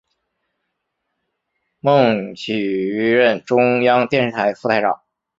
孟启予任中央电视台副台长。